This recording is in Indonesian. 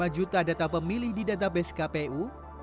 satu ratus lima juta data pemilih di database kpu